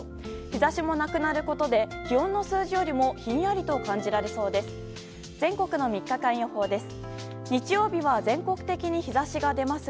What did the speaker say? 日差しもなくなることで気温の数字よりもひんやりと感じられそうです。